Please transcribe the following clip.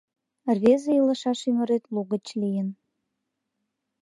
Рвезе илышаш ӱмырет лугыч лийын.